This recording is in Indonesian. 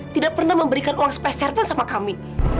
tidak pernah memberikan uang spesial pun sama kami